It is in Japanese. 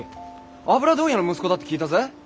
油問屋の息子だって聞いたぜ。